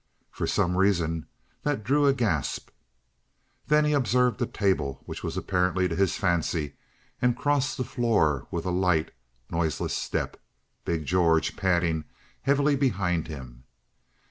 For some reason that drew a gasp. Then he observed a table which was apparently to his fancy and crossed the floor with a light, noiseless step, big George padding heavily behind him.